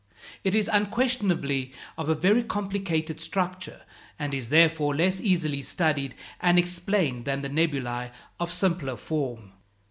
It is unquestionably of a very complicated structure, and is, therefore, less easily studied and explained than the nebulæ of simpler form.